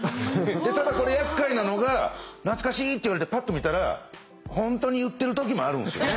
ただこれやっかいなのが「懐かしい」って言われてパッと見たら本当に言ってる時もあるんですよね。